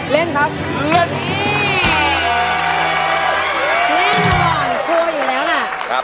เล่นครับ